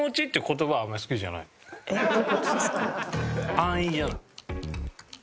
安易じゃない？